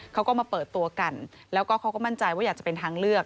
เขาก็มาเปิดตัวกันแล้วก็เขาก็มั่นใจว่าอยากจะเป็นทางเลือก